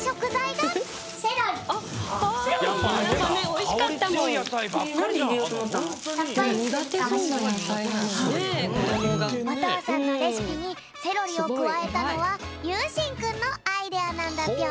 おとうさんのレシピにセロリをくわえたのはゆうしんくんのアイデアなんだぴょん。